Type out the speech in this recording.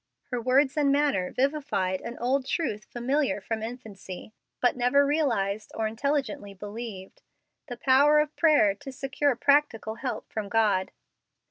Her words and manner vivified an old truth familiar from infancy, but never realized or intelligently believed the power of prayer to secure practical help from God.